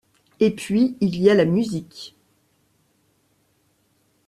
Et puis, il y a la musique.